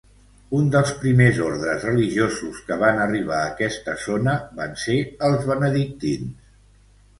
Un dels primers ordes religiosos que van arribar a aquesta zona van ser els benedictins.